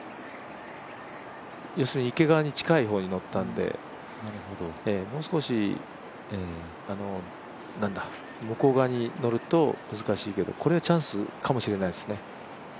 要するに池側に近い方にのったんで、もう少し、横側にのると難しいけどこれはチャンスかもしれないですね。